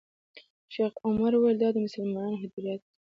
شیخ عمر وویل دا د مسلمانانو هدیره ده.